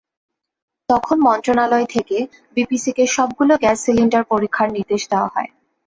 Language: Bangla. তখন মন্ত্রণালয় থেকে বিপিসিকে সবগুলো গ্যাস সিলিন্ডার পরীক্ষার নির্দেশ দেওয়া হয়।